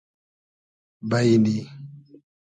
بݷنی